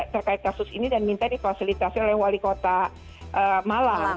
terkait kasus ini dan minta difasilitasi oleh wali kota malang